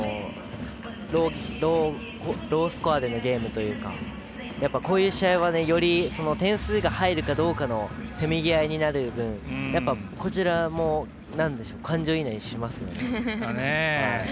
ロースコアでのゲームというかやっぱり、こういう試合はより点数が入るかどうかのせめぎあいになる分、こちらも感情移入しますよね。